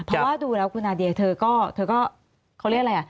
เพราะว่าดูแล้วคุณนาเดียเธอก็เธอก็เขาเรียกอะไรอ่ะ